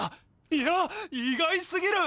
いや意外すぎる！